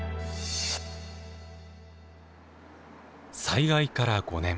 災害から５年。